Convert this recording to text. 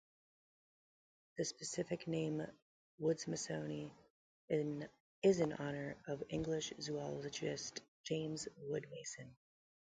The specific name, "woodmasoni", is in honor of English zoologist James Wood-Mason.